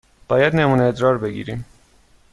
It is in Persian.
باید نمونه ادرار بگیریم.